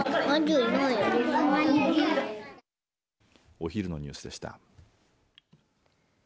お昼のニュースでした。